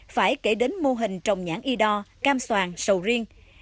phải kể đến mô hình trồng nhãn y đo cam soàn sầu riêng